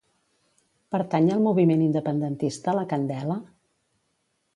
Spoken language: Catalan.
Pertany al moviment independentista la Candela?